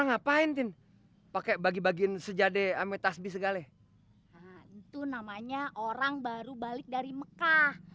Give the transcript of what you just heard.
ngapain pakai bagi bagian sejadeh ya amichtas bi segala itu namanya orang baru balik dari mekah